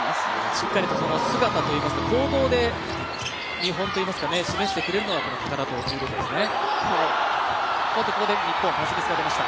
しっかりと姿といいますか行動で見本といいますか示してくれるのがこの高田ということですね。